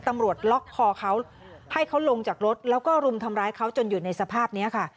ตำรวจล็อกคอเขาให้เขาลงจากรถแล้วก็รุมทำร้ายเขาจนอยู่ในสภาพนี้ค่ะ